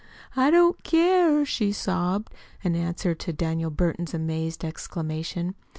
"I don't care," she sobbed, in answer to Daniel Burton's amazed exclamation.